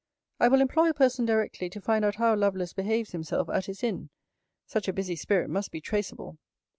I will employ a person directly to find out how Lovelace behaves himself at his inn. Such a busy spirit must be traceable.